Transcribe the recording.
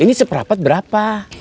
ini seperapat berapa